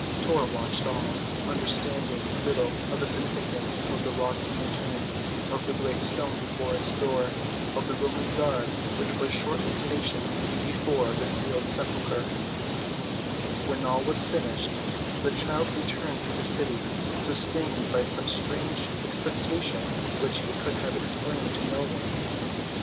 Tor watched all, understanding little of the significance of the rock‐hewn tomb, of the great stone before its door, of the Roman guard which was shortly stationed before the sealed sepulchre. [Illustration: "HIS WICKED FACE DISFIGURED WITH RAGE AND PAIN."] When all was finished the child returned to the city, sustained by some strange expectation which he could have explained to no one.